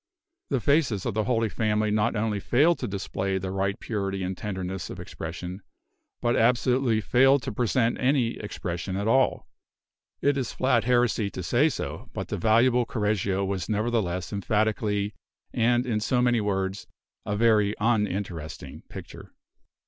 The faces of the Holy Family not only failed to display the right purity and tenderness of expression, but absolutely failed to present any expression at all. It is flat heresy to say so, but the valuable Correggio was nevertheless emphatically, and, in so many words, a very uninteresting picture.